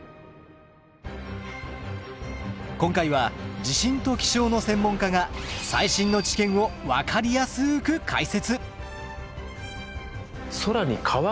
今回は地震と気象の専門家が最新の知見を分かりやすく解説！